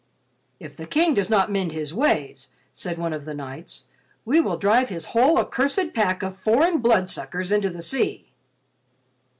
"If the King does not mend his ways," said one of the knights, "we will drive his whole accursed pack of foreign blood suckers into the sea."